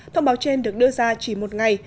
thông báo trên được đưa ra chỉ một ngày